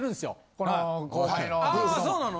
この後輩の。